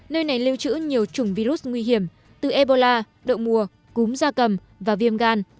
nơi này lưu trữ nhiều chủng virus nguy hiểm từ ebola đậu mùa cúm da cầm và viêm gan